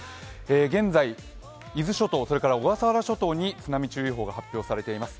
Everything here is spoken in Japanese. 現在、伊豆諸島、小笠原諸島に津波注意報が発表されています。